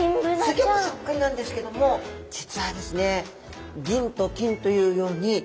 すギョくそっくりなんですけども実はですね